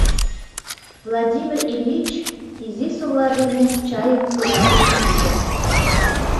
Владимир Ильич изи совла дене чайым пудыратен шинчен.